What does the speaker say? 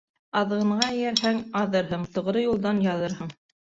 Аҙғынға эйәрһәң, аҙырһың, тоғро юлдан яҙырһың.